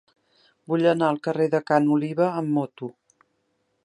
Vull anar al carrer de Ca n'Oliva amb moto.